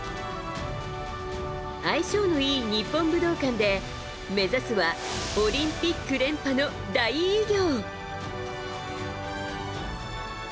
相性のいい日本武道館で目指すはオリンピック連覇の大偉業。